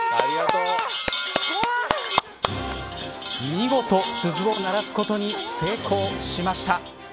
見事鈴を鳴らすことに成功しました。